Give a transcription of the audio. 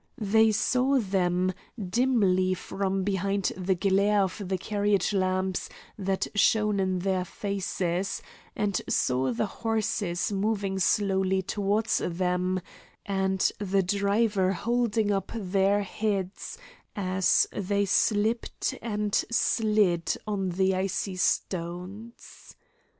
They saw them, dimly from behind the glare of the carriage lamps that shone in their faces, and saw the horses moving slowly towards them, and the driver holding up their heads as they slipped and slid on the icy stones.